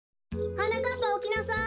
・はなかっぱおきなさい！